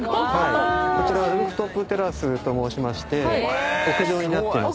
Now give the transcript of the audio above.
こちらがルーフトップテラスと申しまして屋上になっています。